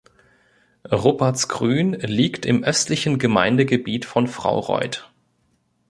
Ruppertsgrün liegt im östlichen Gemeindegebiet von Fraureuth.